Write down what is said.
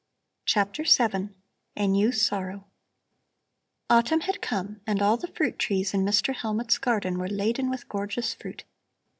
CHAPTER VII A NEW SORROW Autumn had come, and all the fruit trees in Mr. Hellmut's garden were laden with gorgeous fruit.